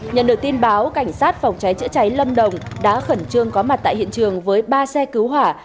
nhận được tin báo cảnh sát phòng cháy chữa cháy lâm đồng đã khẩn trương có mặt tại hiện trường với ba xe cứu hỏa